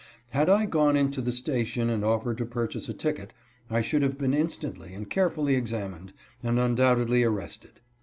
Had I gone into the station and offered to purchase a ticket, I should have been instantly and Carefully examined, and undoubt edly arrested.